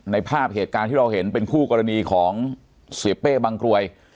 ภาพเหตุการณ์ที่เราเห็นเป็นคู่กรณีของเสียเป้บังกรวย